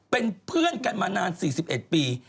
เป็นเพื่อนกันมานาน๔๑ปี